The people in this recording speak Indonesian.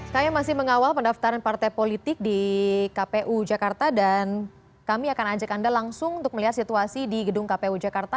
kami masih mengawal pendaftaran partai politik di kpu jakarta dan kami akan ajak anda langsung untuk melihat situasi di gedung kpu jakarta